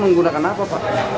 perutnya figasi man appreciate foto